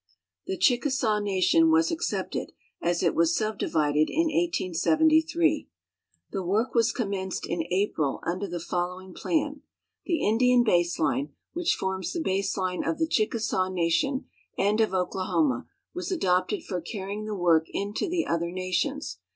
The Chickasaw nation was excepted, as it was subdivided in 1873. The work was commenced in April under the following plan : The Indian base line, which forms the base line of the Chickasaw nation and of Oklahoma, was adopted for carrying the work into the other nations.